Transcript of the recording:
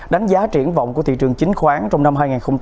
đánh giá triển vọng của thị trường chính khoán trong năm hai nghìn hai mươi